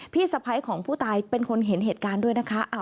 พี่สะพ้ายของผู้ตายเป็นคนเห็นเหตุการณ์ด้วยนะคะ